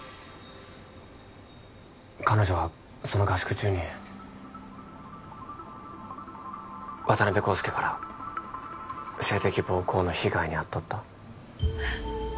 彼女はその合宿中に渡辺康介から性的暴行の被害に遭っとったえっ！？